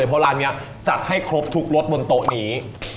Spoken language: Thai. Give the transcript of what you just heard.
เพราะร้านนี้จัดให้ครบทุกรสบนโต๊ะนี้